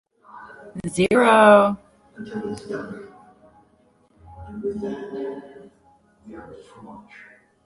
Several other states subsequently enacted similar laws in the years following.